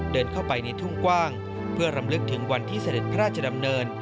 เดินเข้าไปในทุ่งกว้างเพื่อรำลึกถึงวันที่เสด็จพระราชดำเนิน